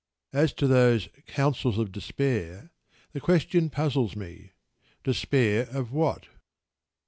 As to those "counsels of despair" the question puzzles me. Despair of what?